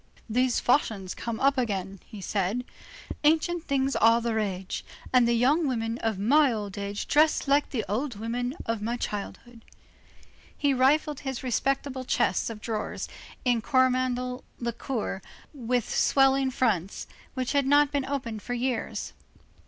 "These fashions come up again," said he, "ancient things are the rage, and the young women of my old age dress like the old women of my childhood." He rifled his respectable chests of drawers in Coromandel lacquer, with swelling fronts, which had not been opened for years.